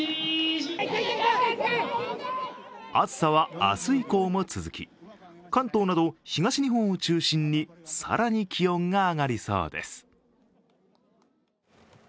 暑さは明日以降も続き、関東など東日本を中心に更に気温が上がりそうです。